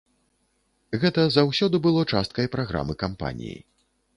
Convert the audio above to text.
Гэта заўсёды было часткай праграмы кампаніі.